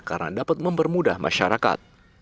karena dapat mempermudah masyarakat